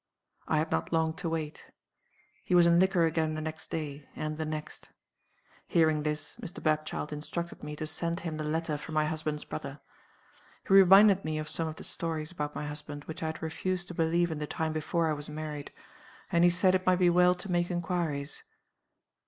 "I had not long to wait. He was in liquor again the next day, and the next. Hearing this, Mr. Bapchild instructed me to send him the letter from my husband's brother. He reminded me of some of the stories about my husband which I had refused to believe in the time before I was married; and he said it might be well to make inquiries.